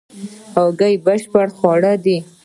هګۍ بشپړ خواړه دي